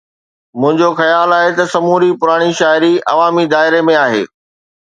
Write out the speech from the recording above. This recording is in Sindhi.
منهنجو خيال آهي ته سموري پراڻي شاعري عوامي دائري ۾ آهي